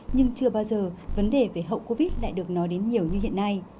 nhưng chưa bao giờ vấn đề về hậu covid lại được nói đến nhiều như hiện nay